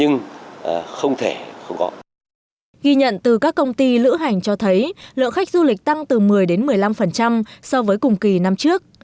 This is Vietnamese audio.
ghi nhận từ các công ty lữ hành cho thấy lượng khách du lịch tăng từ một mươi một mươi năm so với cùng kỳ năm trước